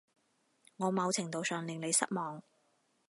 我某程度上令你失望